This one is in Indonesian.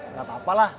gak apa apa lah